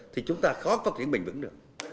thì chúng ta khó phát triển bình vững được